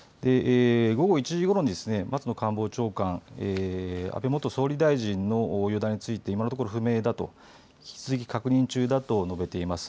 午後１時ごろに松野官房長官、安倍元総理大臣の容体について今のところ不明だと、引き続き確認中だと述べています。